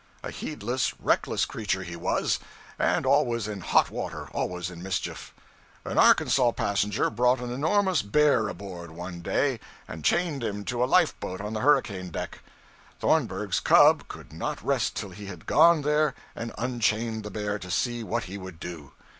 A heedless, reckless creature he was, and always in hot water, always in mischief. An Arkansas passenger brought an enormous bear aboard, one day, and chained him to a life boat on the hurricane deck. Thornburgh's 'cub' could not rest till he had gone there and unchained the bear, to 'see what he would do.'